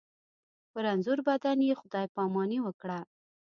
په رنځور بدن یې خدای پاماني وکړه.